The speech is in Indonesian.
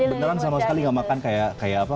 beneran sama sekali gak makan kayak apa